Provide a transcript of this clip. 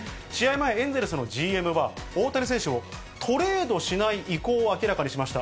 前、エンゼルスのＧＭは、大谷選手をトレードしない意向を明らかにしました。